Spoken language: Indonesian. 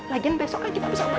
lagian besoknya kita bisa balik lagi